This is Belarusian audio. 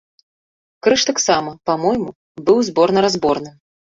Крыж таксама, па-мойму, быў зборна-разборным.